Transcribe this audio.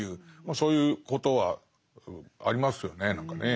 そういうことはありますよね何かね。